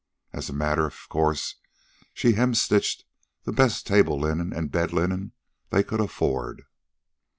As a matter of course she hemstitched the best table linen and bed linen they could afford.